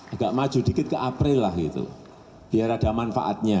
agak maju dikit ke april lah gitu biar ada manfaatnya